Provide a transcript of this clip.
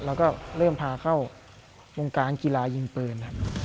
แล้วก็เริ่มพาเข้าวงการกีฬายิงปืน